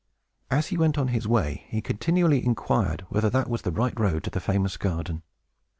As he went on his way, he continually inquired whether that were the right road to the famous garden.